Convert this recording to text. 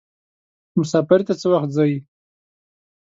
مسافری ته څه وخت ځئ.